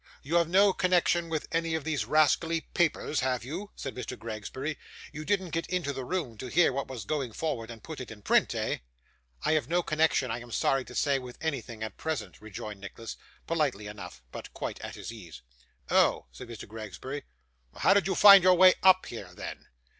'You have no connection with any of those rascally papers have you?' said Mr. Gregsbury. 'You didn't get into the room, to hear what was going forward, and put it in print, eh?' 'I have no connection, I am sorry to say, with anything at present,' rejoined Nicholas, politely enough, but quite at his ease. 'Oh!' said Mr. Gregsbury. 'How did you find your way up here, then?